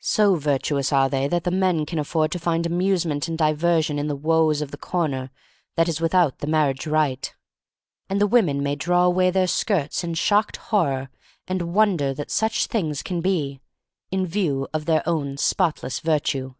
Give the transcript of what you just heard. So vir tuous are they that the men can afford to find amusement and diversion in the woes of the corner that is without the marriage rite; and the women may draw away their skirts in shocked hor ror and wonder that such things can be, in view of their own spotless virtue.